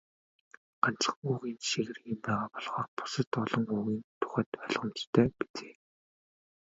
Ганцхан үгийн жишээгээр ийм байгаа болохоор бусад олон үгийн тухайд ойлгомжтой биз ээ.